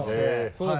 そうですね。